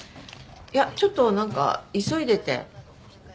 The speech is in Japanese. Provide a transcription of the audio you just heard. いやちょっと何か急いでて。